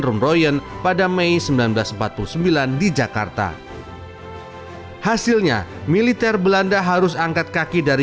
room royen pada mei seribu sembilan ratus empat puluh sembilan di jakarta hasilnya militer belanda harus angkat kaki dari